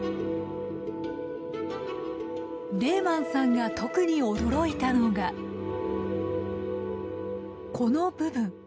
レーマンさんが特に驚いたのがこの部分。